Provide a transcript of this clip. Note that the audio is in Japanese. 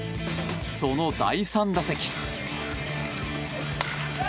その第３打席。